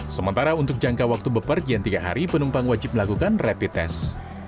sementara untuk jangka waktu bepergian tiga hari penumpang wajib melakukan rapid test